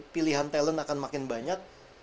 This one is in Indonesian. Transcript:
pilihan talent akan makin banyak